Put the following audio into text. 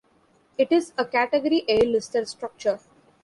It is a Category A listed structure.